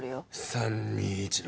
３２１な。